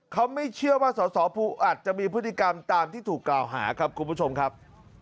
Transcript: เขาไม่เชื่อว่าสอสอภูอัดจะมีพฤติกรรมตามที่ถูกกล่าวหาครับคุณผู้ชมครับ